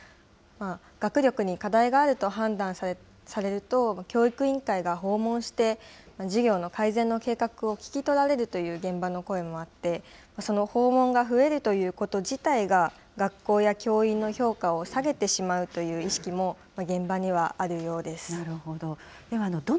学力に課題があると判断されると、教育委員会が訪問して、授業の改善の計画を聞き取られるという現場の声もあって、その訪問が増えるということ自体が、学校や教員の評価を下げてしまうという意識も現場にはあるようでなるほど。